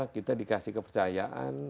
kita dikasih kepercayaan